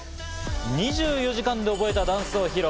２４時間で覚えたダンスを披露。